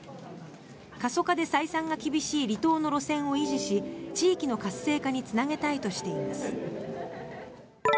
過疎化で採算が厳しい離島の路線を維持し地域の活性化につなげたいとしています。